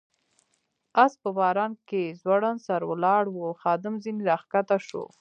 آس په باران کې ځوړند سر ولاړ و، خادم ځنې را کښته شو.